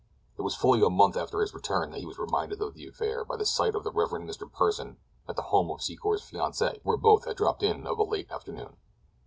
It was fully a month after his return that he was reminded of the affair by the sight of the Rev. Mr. Pursen at the home of Secor's fiancée where both had dropped in of a late afternoon.